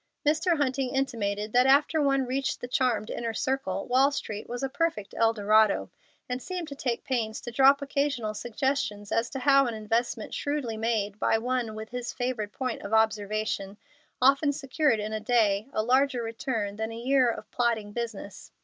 Mr. Hunting intimated that after one reached the charmed inner circle Wall Street was a perfect Eldorado, and seemed to take pains to drop occasional suggestions as to how an investment shrewdly made by one with his favored point of observation often secured in a day a larger return than a year of plodding business.